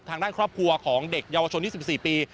ทางด้านครอบครัวของเด็กเยาวชน๒๔ปี